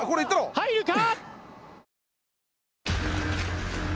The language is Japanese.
入るか？